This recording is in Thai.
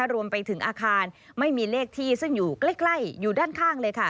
รวมไปถึงอาคารไม่มีเลขที่ซึ่งอยู่ใกล้อยู่ด้านข้างเลยค่ะ